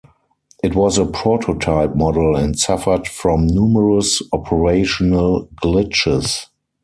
It was a prototype model, and suffered from numerous operational glitches.